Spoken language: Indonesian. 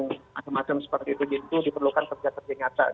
macam macam seperti itu gitu diperlukan kerja kerja nyata